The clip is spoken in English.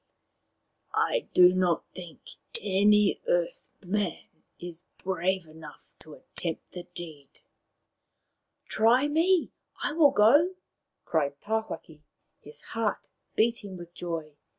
I do not think any Earth man is brave enough to attempt the deed." " Try me. I will go !" cried Tawhaki, his heart beating with joy.